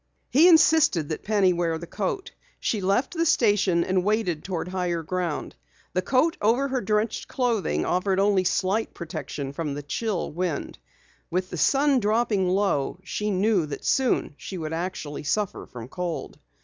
He insisted that Penny wear the coat. She left the station and waded toward higher ground. The coat over her drenched clothing offered only slight protection from the chill wind. With the sun dropping low, she knew that soon she would actually suffer from cold.